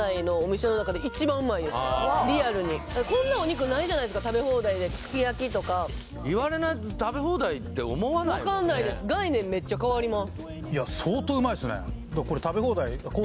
リアルにこんなお肉ないじゃないですか食べ放題ですき焼とか言われないと食べ放題って思わないよね分かんないですするんですかね